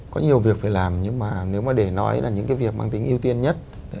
có nhiều việc phải làm nhưng mà nếu mà để nói là những cái việc mang tính ưu tiên nhất